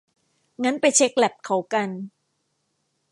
งั้นไปเช็คแลปเขากัน